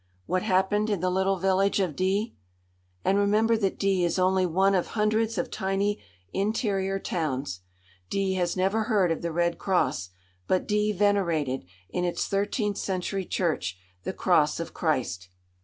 What happened in the little village of D ? And remember that D is only one of hundreds of tiny interior towns. D has never heard of the Red Cross, but D venerated, in its thirteenth century church, the Cross of Christ.